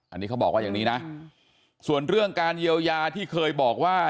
อันนี้เขาบอกว่าอย่างนี้นะส่วนเรื่องการเยียวยาที่เคยบอกว่า